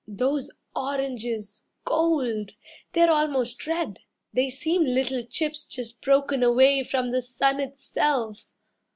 Those oranges Gold! They're almost red. They seem little chips just broken away From the sun itself.